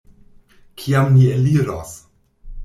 Kiam ni eliros?